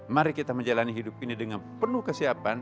mari kita menjalani hidup ini dengan penuh kesiapan